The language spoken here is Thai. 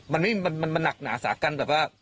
มันหนักหนาสากัน